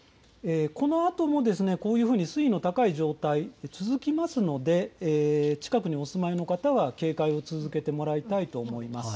このあともこういうふうに水位の高い状態、続きますので近くにお住まいの方は警戒を続けてもらいたいと思います。